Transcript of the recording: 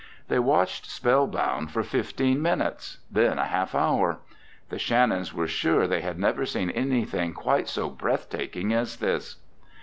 They watched spellbound for fifteen minutes, then a half hour. The Shannons were sure they had never seen anything quite so breathtaking as this.